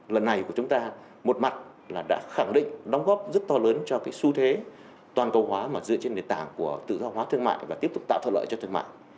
lần này của chúng ta một mặt là đã khẳng định đóng góp rất to lớn cho cái xu thế toàn cầu hóa mà dựa trên nền tảng của tự do hóa thương mại và tiếp tục tạo thuận lợi cho thương mạng